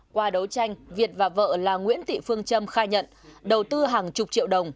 qua đấu tranh việt và vợ là nguyễn thị phương trâm khai nhận đầu tư hàng chục triệu đồng